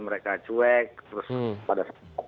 mereka cuek terus pada saat